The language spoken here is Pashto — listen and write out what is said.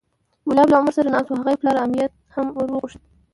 کلاب له عمر سره ناست و هغه یې پلار امیة هم وورغوښت،